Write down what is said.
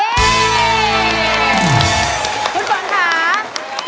คุณฝนค่ะ